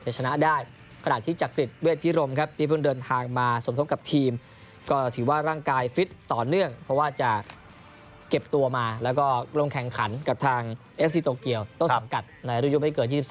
และชนะได้ขณะที่จักริย์เวทพิรมครับที่พึ่งเดินทางมาสมทบกับทีม